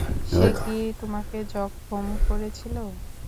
সে কি তোমাকে জখম করেছিল?